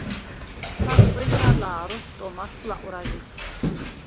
ჩვადყვინე ალა̄, როსტომ, აშხვ ლაყვრაჟი.